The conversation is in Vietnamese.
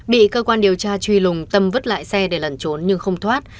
bị cơ quan điều tra truy lùng tâm vứt lại xe để lẩn trốn nhưng không thoát